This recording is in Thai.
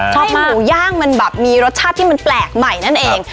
หมูย่างมันแบบมีรสชาติที่มันแปลกใหม่นั่นเอง